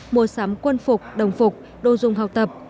mùa sắm quân phục đồng phục đô dung học tập